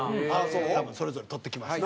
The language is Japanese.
多分それぞれ撮ってきました。